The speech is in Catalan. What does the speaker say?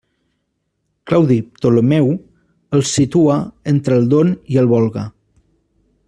Claudi Ptolemeu els situa entre el Don i el Volga.